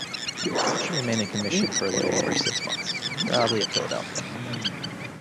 She remained in commission for a little over six months, probably at Philadelphia.